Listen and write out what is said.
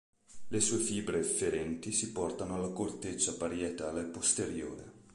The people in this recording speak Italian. Le sue fibre efferenti si portano alla corteccia parietale posteriore.